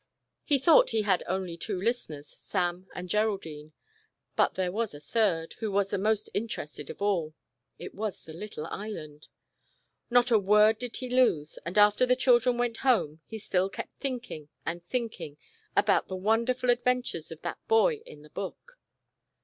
He thought he had only two listeners, Sam and Ger aldine, but there was a third, who was the most interested of all — it was the little Island. Not a word did he lose, and after the children went home, he still kept thinking and thinking about the wonderful adventures of that boy in the book.